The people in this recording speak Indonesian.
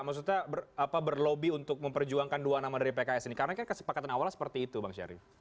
maksudnya berlobi untuk memperjuangkan dua nama dari pks ini karena kan kesepakatan awalnya seperti itu bang syarif